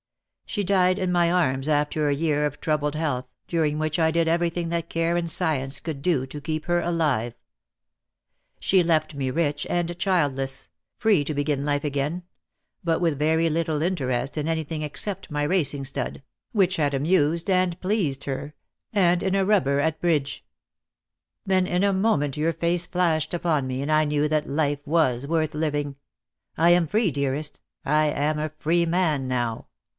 She died in my arms after a year of troubled health, during which I did everything that care and science could do to keep her alive. She left me rich and childless, firee to begin life again — but with very little interest in anything ex cept my racing stud — which had amused and pleased her — and in a rubber at Bridge. DEAD LOVE HAS CHAINS. 22^ "Then in a moment your face flashed upon me, and I knew that life was worth living. I am free, dearest, I am a free man now.